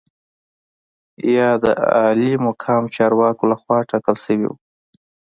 یا د عالي مقام چارواکو لخوا ټاکل شوي وو.